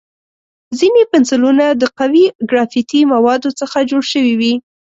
ځینې پنسلونه د قوي ګرافیتي موادو څخه جوړ شوي وي.